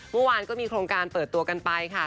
เมื่อวานก็มีโครงการเปิดตัวกันไปค่ะ